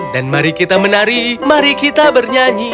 mari kita menari mari kita bernyanyi